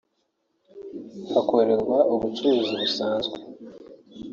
hakorerwa ubucuruzi busanzwe